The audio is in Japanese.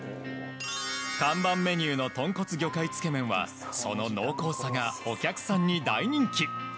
看板メニューのとんこつ魚介つけ麺はその濃厚さがお客さんに大人気。